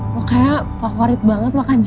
lo kayak favorit banget makan cilok